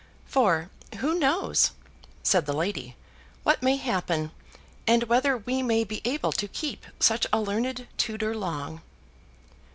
"For who knows," said the lady, "what may happen, and whether we may be able to keep such a learned tutor long?"